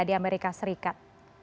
di amerika serikat